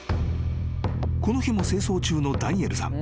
［この日も清掃中のダニエルさん］